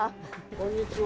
こんにちは。